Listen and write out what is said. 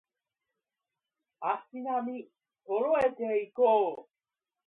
足並み揃えていこう